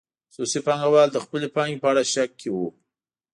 خصوصي پانګوال د خپلې پانګې په اړه شک کې وو.